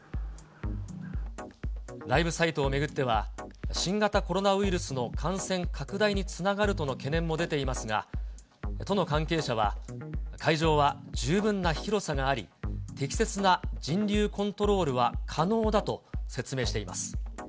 ライブサイトを巡っては、新型コロナウイルスの感染拡大につながるとの懸念も出ていますが、都の関係者は、会場は十分な広さがあり、適切な人流コントロールは可能だと説明しています。